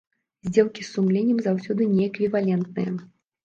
Здзелкі з сумленнем заўсёды неэквівалентныя.